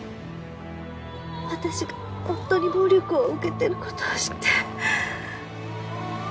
私が夫に暴力を受けてる事を知って。